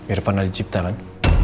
irfan adicipta kan